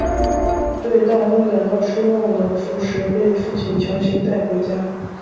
对大风感到失望的福实被父亲强行带回家。